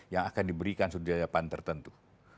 yang akan diberikan sudut jajapan tertentu